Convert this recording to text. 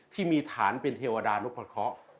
ที่มีฐานเป็นเทวดานพะเคาะ